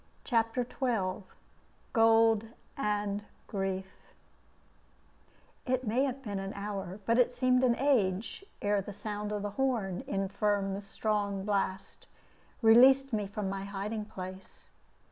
CHAPTER XII GOLD AND GRIEF It may have been an hour, but it seemed an age, ere the sound of the horn, in Firm's strong blast, released me from my hiding place.